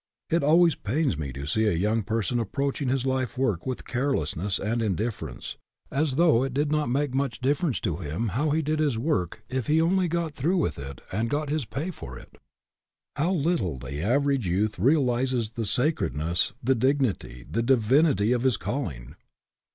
It always pains me to see a young person approaching his life work with carelessness and indifference, as though it did not make much difference to him how he did his work if he only got through with it and got his pay for it. How little the average youth realizes the sacredness, the dignity, the divinity of his calling